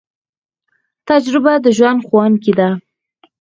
تجربه د ژوند ښوونکی ده